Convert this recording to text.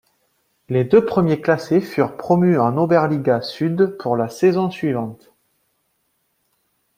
Les deux premiers classés furent promus en Oberliga Süd pour la saison suivante.